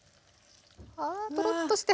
あトロッとして。